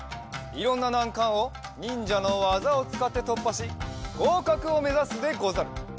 いろんななんかんをにんじゃのわざをつかってとっぱしごうかくをめざすでござる！